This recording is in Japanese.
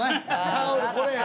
タオルこれや。